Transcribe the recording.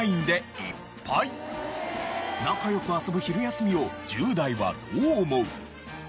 仲良く遊ぶ昼休みを１０代はどう思う？